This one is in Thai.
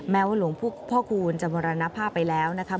แม้ว่าหลวงพ่อคูณจะมรณภาพไปแล้วนะคะ